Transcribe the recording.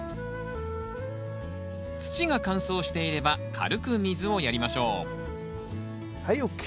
土が乾燥していれば軽く水をやりましょうはいＯＫ。